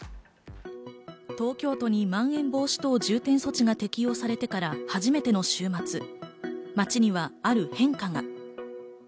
東京都にまん延防止等重点措置が適用されてから初めての週末、街にはある変化が。